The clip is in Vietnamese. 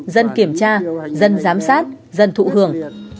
dân kiểm tra dân giám sát dân thụ hưởng